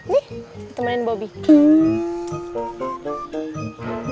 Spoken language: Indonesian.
nih ditemaniin bobby